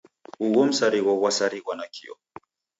Ugho msarigho ghwasarighwa nakio.